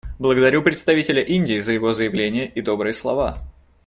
Благодарю представителя Индии за его заявление и добрые слова.